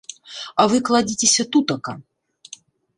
А вы кладзіцеся тутака.